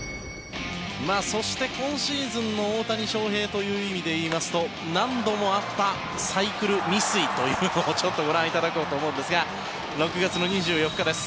そして、今シーズンの大谷翔平という意味でいいますと何度もあったサイクル未遂というのをちょっとご覧いただこうと思うんですが６月の２４日です。